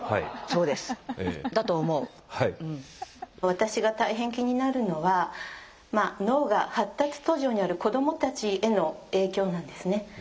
私が大変気になるのは脳が発達途上にある子供たちへの影響なんですね。